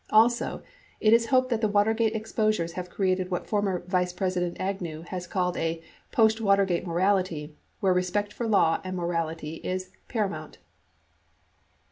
Also, it is hoped that the XXV Watergate exposures have created what former Vice President Ag new has called a "post Watergate morality" where respect for law and morality is paramount.